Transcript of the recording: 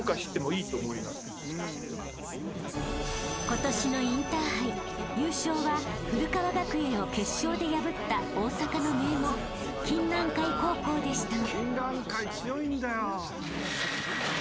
［今年のインターハイ優勝は古川学園を決勝で破った大阪の名門金蘭会高校でした］